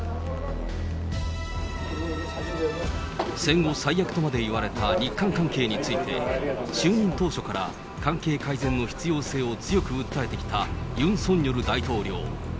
戦後最悪とまでいわれた日韓関係について、就任当初から関係改善の必要性を強く訴えてきたユン・ソンニョル大統領。